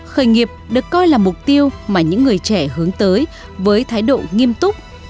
khởi nghiệp được coi là mục tiêu mà những người trẻ hướng tới với thái độ nghiêm túc